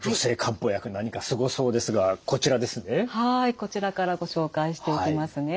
こちらからご紹介していきますね。